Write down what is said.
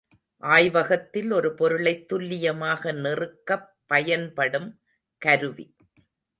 ஆய்வகத்தில் ஒரு பொருளைத் துல்லியமாக நிறுக்கப் பயன்படும் கருவி.